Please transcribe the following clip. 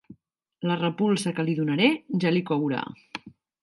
La repulsa que li donaré ja li courà.